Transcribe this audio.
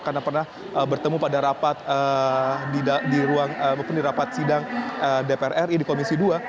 yang pernah bertemu pada rapat sidang dpr ri di komisi dua